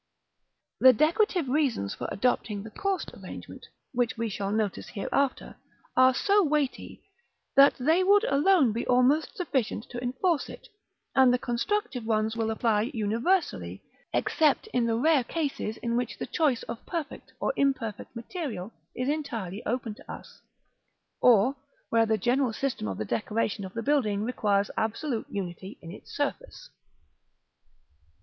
The decorative reasons for adopting the coursed arrangement, which we shall notice hereafter, are so weighty, that they would alone be almost sufficient to enforce it; and the constructive ones will apply universally, except in the rare cases in which the choice of perfect or imperfect material is entirely open to us, or where the general system of the decoration of the building requires absolute unity in its surface.